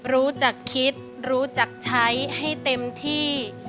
รู้จักคิดรู้จักใช้ให้เต็มที่